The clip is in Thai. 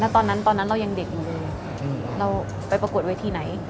ตอนนั้นตอนนั้นเรายังเด็กอยู่เลยเราไปประกวดเวทีไหน